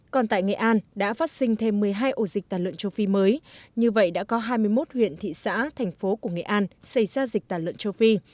còn tại nghệ an đã phát sinh thêm một mươi hai ổ dịch tà lợn châu phi mới như vậy đã có hai mươi một huyện thị xã thành phố của nghệ an xảy ra dịch tả lợn châu phi